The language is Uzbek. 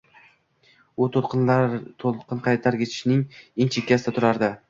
U to`lqinqaytargichning eng chekkasida turardi